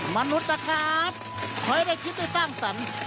มนุษย์นะครับขอให้ได้คิดได้สร้างสรรค์